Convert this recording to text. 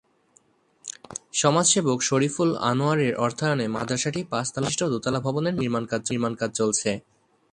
সমাজসেবক শরিফুল আনোয়ারের অর্থায়নে মাদ্রাসাটির পাঁচতলা ভিত্তিবিশিষ্ট দোতলা ভবনের নির্মাণকাজ চলছে।